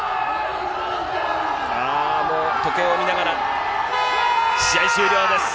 ああ、もう、時計を見ながら、試合終了です。